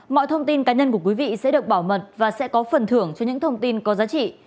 mọi thông tin cá nhân của quý vị sẽ được bảo mật và sẽ có phần thưởng cho những thông tin có giá trị